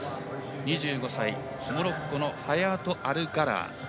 ２５歳、モロッコのハヤート・アルガラア。